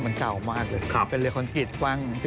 มันเก่ามากเป็นเรือคล้นคลิดกว้าง